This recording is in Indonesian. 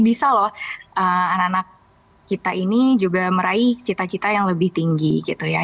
bisa loh anak anak kita ini juga meraih cita cita yang lebih tinggi gitu ya